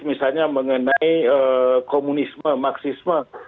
misalnya mengenai komunisme maksisme